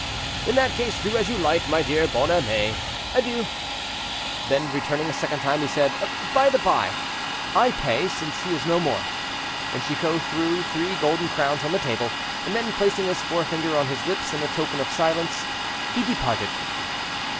"In that case, do as you like, my dear Bonhomet; adieu." Then, returning a second time, he said: "By the by, I pay, since he is no more." And Chicot threw three golden crowns on the table, and then, placing his fore finger on his lips, in token of silence, he departed.